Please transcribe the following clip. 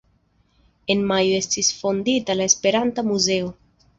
En Majo estis fondita la Esperanta Muzeo.